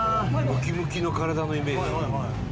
ムキムキの体のイメージ。